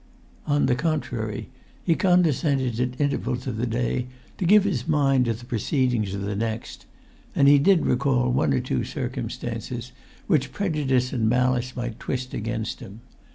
On the contrary, he condescended at intervals of[Pg 148] the day to give his mind to the proceedings of the next; and he did recall one or two circumstances which prejudice and malice might twist against him.